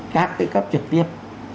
các cái cấp trực tiếp